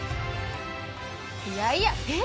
いやいやえっ？